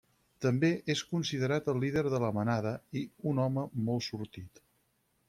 També és considerat el líder de la manada i un home molt sortit.